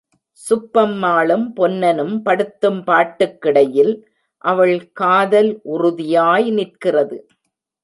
சுப்பம்மாளும் பொன்னனும் படுத்தும் பாட்டுக்கிடையில், அவள் காதல் உறுதியாய் நிற்கிறது.